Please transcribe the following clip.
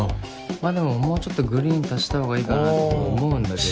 まあでももうちょっとグリーン足したほうがいいかなとも思うんだけど。